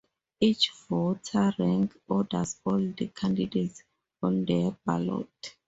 Each voter rank-orders all of the candidates on their ballot.